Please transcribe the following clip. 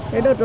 thế đợt lọ